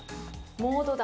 モードだ。